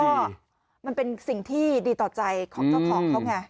ก็มันเป็นสิ่งที่ดีต่อใจของเจ้าของเขาไง